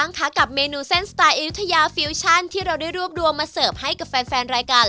เป็นไงบ้างค่ะกับเมนูเส้นสไตล์อยุธยาฟิลชั่นที่เราได้รวบรวมมาเสิร์ฟให้กับแฟนรายการ